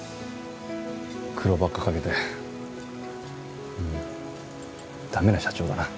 苦労ばっかかけてうん駄目な社長だな。